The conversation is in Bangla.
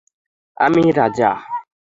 আমি, রাজা।